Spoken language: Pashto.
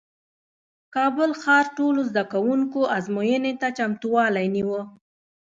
کابل ښار ټولو زدکوونکو ازموینې ته چمتووالی نیوه